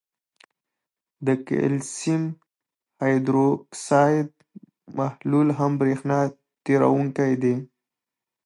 د کلسیم هایدروکساید محلول هم برېښنا تیروونکی دی.